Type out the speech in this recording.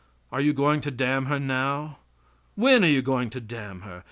Are you going to damn her now? When are you going to damn her?